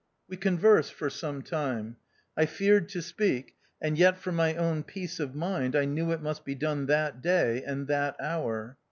We conversed for some time. I feared to speak, and yet for my own peace of mind I knew it must be done that day, and that hour.